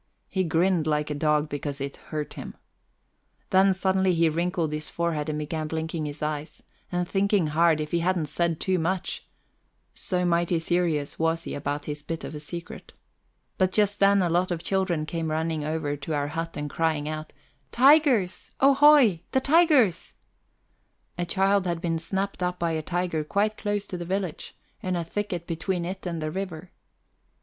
He grinned like a dog because it hurt him. Then suddenly he wrinkled his forehead and began blinking his eyes, and thinking hard if he hadn't said too much so mighty serious was he about his bit of a secret. But just then a lot of children came running over to our hut and crying out: "Tigers, ohoi, the tigers!" A child had been snapped up by a tiger quite close to the village, in a thicket between it and the river.